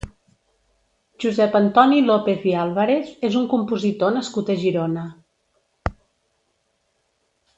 Josep Antoni López i Àlvarez és un compositor nascut a Girona.